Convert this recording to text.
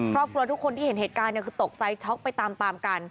ครอบครัวทุกคนที่เห็นเหตุการณ์คือตกใจช็อกไปตามตามกัน